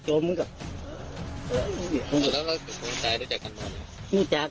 จัดการ